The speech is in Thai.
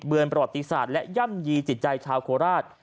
ประวัติศาสตร์และย่ำยีจิตใจชาวโคราช